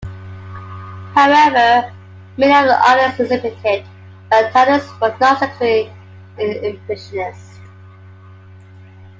However, many of the artists exhibited, like Thaddeus, were not strictly Impressionists.